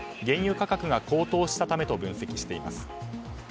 原油価格が高騰したためと分析しています。